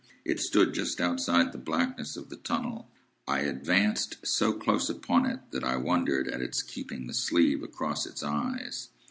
It stood just outside the blackness of the tunnel. I advanced so close upon it that I wondered at its keeping the sleeve across its eyes.